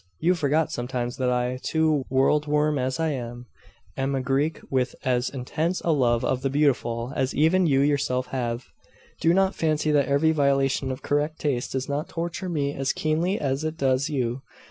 you forget sometimes that I, too, world worm as I am, am a Greek, with as intense a love of the beautiful as even you yourself have. Do not fancy that every violation of correct taste does not torture me as keenly as it does you.